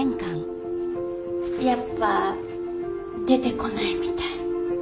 やっぱ出てこないみたい。